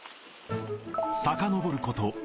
さかのぼること。